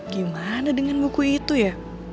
gimana dengan buku itu ya